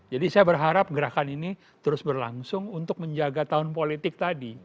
jadi saya berharap gerakan ini terus berlangsung untuk menjaga tahun politik tadi